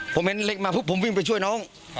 ผมเห็นเหล็กมาปุ๊บผมวิ่งไปช่วยน้อง